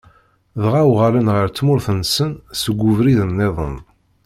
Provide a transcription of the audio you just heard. Dɣa uɣalen ɣer tmurt-nsen seg ubrid-nniḍen.